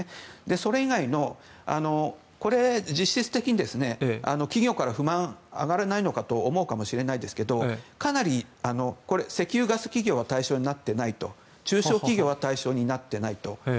それ以外のこれ、実質的に企業から不満が上がらないのかと思うかもしれないですが石油ガス企業は対象になっていないと。中小企業は対象になっていないと。